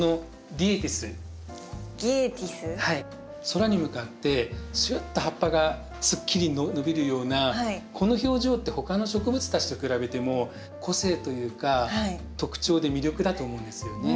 空に向かってシュッと葉っぱがすっきり伸びるようなこの表情って他の植物たちと比べても個性というか特徴で魅力だと思うんですよね。